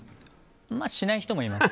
しない人もいます。